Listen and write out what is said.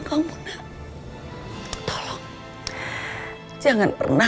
karena tidak dalam waktu bergoda